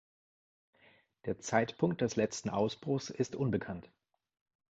Der Zeitpunkt des letzten Ausbruchs ist unbekannt.